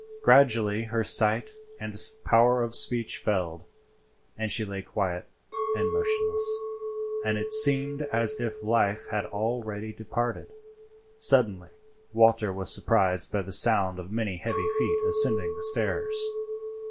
Gradually her sight and power of speech failed, and she lay quiet and motionless, and it seemed as if life had already departed. Suddenly Walter was surprised by the sound of many heavy feet ascending the stairs.